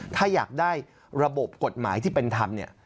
ถ้าอยากได้ระบบกฎหมายที่เป็นธรรมเนี่ย